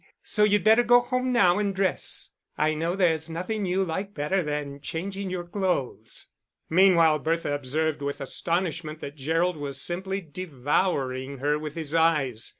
So you'd better go home now and dress. I know there's nothing you like better than changing your clothes." Meanwhile Bertha observed with astonishment that Gerald was simply devouring her with his eyes.